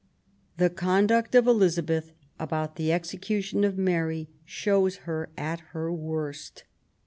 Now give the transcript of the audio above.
The conduct of Elizabeth about the execution of Mary shows her at her worst.